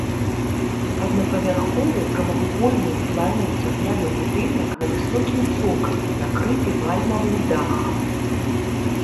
Аднапавярховы прамавугольны ў плане цагляны будынак на высокім цокалі, накрыты вальмавым дахам.